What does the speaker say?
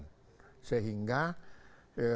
pengurahan secara proporsional pada kelompok yang lain